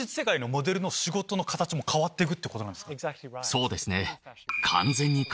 そうですね。